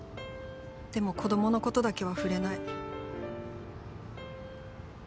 でも子供のことだけは触れない。